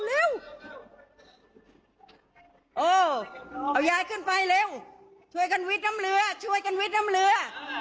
เอายายขึ้นไปเร็วช่วยกันวิทย์น้ำเรือ